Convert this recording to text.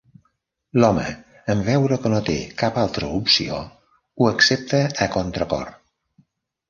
L'home, en veure que no té cap altra opció, ho accepta a contracor.